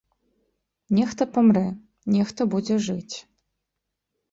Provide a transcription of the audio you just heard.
Нехта памрэ, нехта будзе жыць.